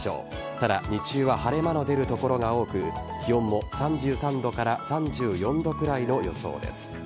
ただ、日中は晴れ間の出る所が多く気温も３３度から３４度くらいの予想です。